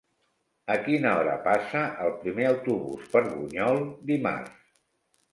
A quina hora passa el primer autobús per Bunyol dimarts?